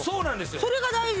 それが大事。